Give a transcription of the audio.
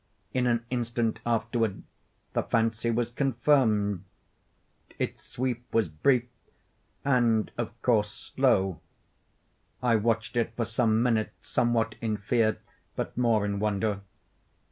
In an instant afterward the fancy was confirmed. Its sweep was brief, and of course slow. I watched it for some minutes, somewhat in fear, but more in wonder.